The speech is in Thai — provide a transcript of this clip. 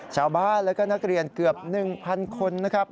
ชาวบ้านและก็นักเรียนเกือบ๑๐๐คนนะครับ